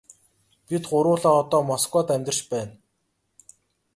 Бид гурвуулаа одоо Москвад амьдарч байна.